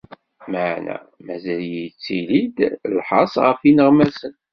Meɛna mazal yettili-d lḥers ɣef yineɣmasen.